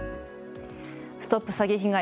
ＳＴＯＰ詐欺被害！